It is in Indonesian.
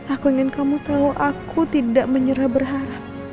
aku ingin kamu tahu aku tidak menyerah berharap